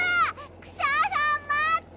クシャさんまって！